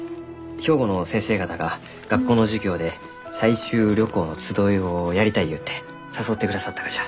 兵庫の先生方が学校の授業で採集旅行の集いをやりたいゆうて誘ってくださったがじゃ。